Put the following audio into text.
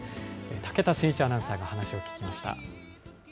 武田真一アナウンサーが話を聞きました。